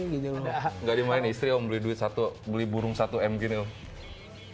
nggak dimain istri om beli burung satu miliar rupiah